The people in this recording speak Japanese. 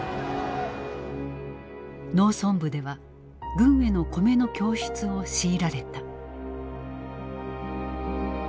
農村部では軍への米の供出を強いられた。